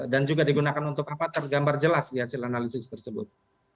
dan juga digunakan untuk apa tergambar jelas di hasil analisis tersebut